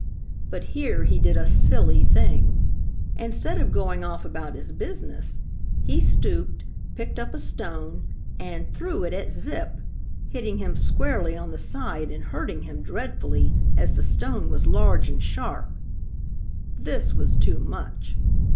But here he did a silly thing. Instead of going off about his business, he stooped, picked up a stone and threw it at Zip, hitting him squarely on the side and hurting him dreadfully, as the stone was large and sharp. This was too much.